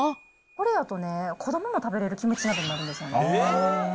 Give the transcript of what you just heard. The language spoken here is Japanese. これだとね、子どもも食べれるキムチ鍋になるんですよね。